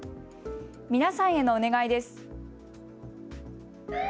皆さんへのお願いです。